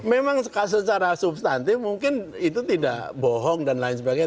memang secara substantif mungkin itu tidak bohong dan lain sebagainya